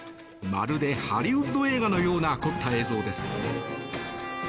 まるでハリウッド映画のような凝った映像です。